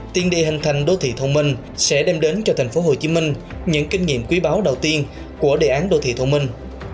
tiền đề hình thành đô thị thông minh sẽ đem đến cho tp hcm những kinh nghiệm quý báu đầu tiên của đề án đô thị thông minh